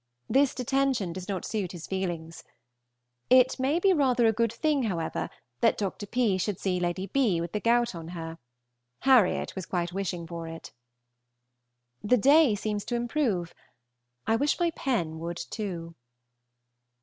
This detention does not suit his feelings. It may be rather a good thing, however, that Dr. P. should see Lady B. with the gout on her. Harriot was quite wishing for it. The day seems to improve. I wish my pen would too.